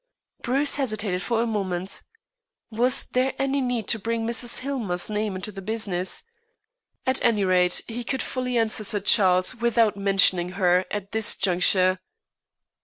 Bruce hesitated for a moment. Was there any need to bring Mrs. Hillmer's name into the business? At any rate, he could fully answer Sir Charles without mentioning her at this juncture.